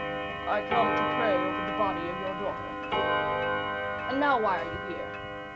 "I came to pray over the body of your daughter." "And now why are you here?"